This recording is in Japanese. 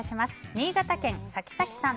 新潟県の方。